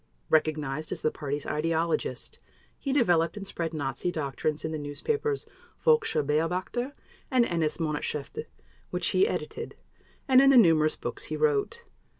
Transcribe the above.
Recognized as the Party's ideologist, he developed and spread Nazi doctrines in the newspapers Völkischer Beobachter and NS Monatshefte, which he edited, and in the numerous books he wrote.